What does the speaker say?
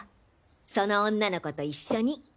その女の子と一緒に！